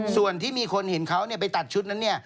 ส่วนที่มีคนเห็นเขาไปตัดชุดนั้นเนี่ย